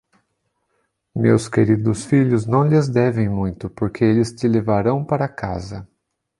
Meus queridos filhos não lhes devem muito, porque eles te levarão para casa.